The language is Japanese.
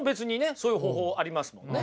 そういう方法ありますもんね。